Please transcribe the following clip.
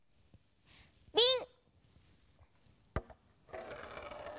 びん。